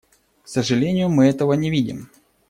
К сожалению, мы этого не видим.